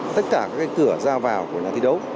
tất cả các cửa ra vào của nhà thi đấu